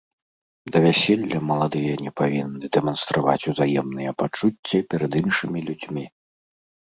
Да вяселля маладыя не павінны дэманстраваць узаемныя пачуцці перад іншымі людзьмі.